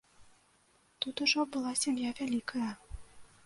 Тут ужо была сям'я вялікая.